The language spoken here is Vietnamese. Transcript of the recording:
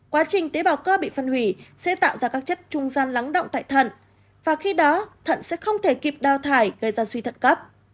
quá trình tế bào cơ bị phân hủy sẽ tạo ra các chất trung gian lắng động tại thận và khi đó thận sẽ không thể kịp đau thải gây ra suy thận cấp